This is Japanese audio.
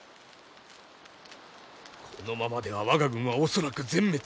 このままでは我が軍は恐らく全滅。